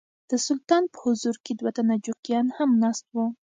د سلطان په حضور کې دوه تنه جوګیان هم ناست وو.